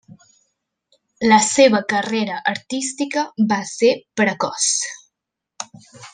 La seva carrera artística va ser precoç.